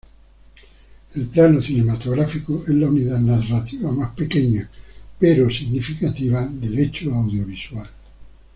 El plano cinematográfico es la unidad narrativa más pequeña pero significativa del hecho audiovisual.